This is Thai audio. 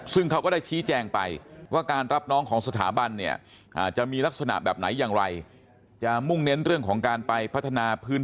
ซึ่งเขาก็ได้ชี้แจ้งไปว่าการรับน้องของสถาบันเนี่ย